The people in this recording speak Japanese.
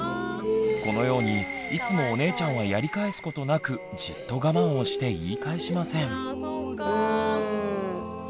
このようにいつもお姉ちゃんはやり返すことなくじっと我慢をして言い返しません。